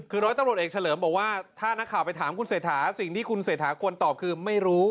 คือร้อยตำรวจเอกเฉลิมบอกว่าถ้านักข่าวไปถามคุณเศรษฐาสิ่งที่คุณเศรษฐาควรตอบคือไม่รู้